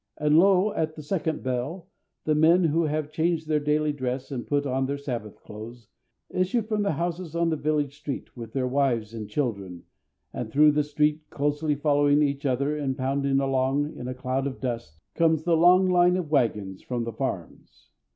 And, lo! at the second bell, the men, who have changed their daily dress and put on their Sabbath clothes, issue from the houses on the village street with their wives and children, and through the street, closely following each other and pounding along in a cloud of dust, comes the long line of wagons from the farms.